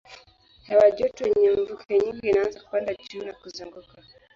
Hewa joto yenye mvuke nyingi inaanza kupanda juu na kuzunguka.